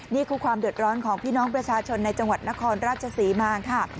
นี่คือความเดือดร้อนของพี่น้องประชาชนในจังหวัดนครราชศรีมาค่ะ